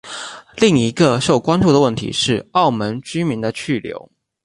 另一个受关注的问题是澳门居民的去留。